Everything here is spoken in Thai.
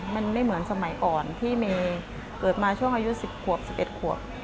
มันไม่เหมือนสมัยก่อนที่เมย์เกิดมาช่วงอายุ๑๐ขวบ๑๑ขวบ